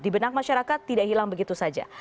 di benak masyarakat tidak hilang begitu saja